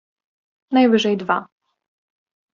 Najwyżej dwa.